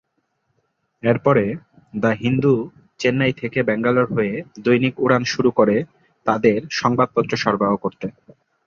এরপরে, "দ্য হিন্দু" চেন্নাই থেকে ব্যাঙ্গালোর হয়ে দৈনিক উড়ান শুরু করে তাদের সংবাদপত্র সরবরাহ করতে।